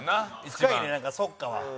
深いねなんか「そっか」は。